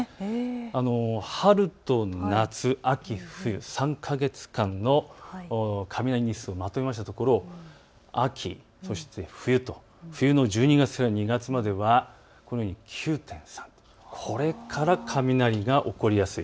春と夏、秋、冬、３か月間の雷日数をまとめましたところ、秋そして冬と冬の１２月から２月まではこのように９．３、これから雷が起こりやすい。